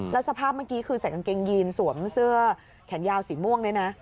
แล้วสภาพเมื่อกี้คือใส่กางเกงยีนสวมเสื้อแขนยาวสีม่วงเนี่ยนะ